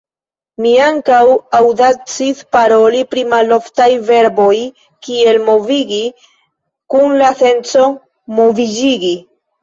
Mi ankaŭ aŭdacis paroli pri maloftaj verboj kiel "movigi" kun la senco "moviĝigi".